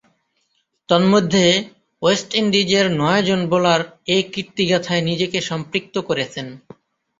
তন্মধ্যে, ওয়েস্ট ইন্ডিজের নয়জন বোলার এ কীর্তিগাঁথায় নিজেকে সম্পৃক্ত করেছেন।